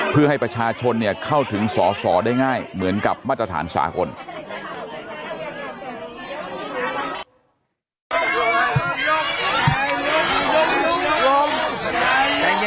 เพื่อให้ประชาชนเข้าถึงสอสอได้ง่ายเหมือนกับมาตรฐานสากล